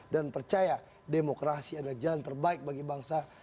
dan percaya demokrasi adalah jalan terbaik bagi bangsa